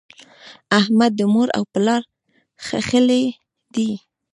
احمد د مور او پلار ښهلی دی.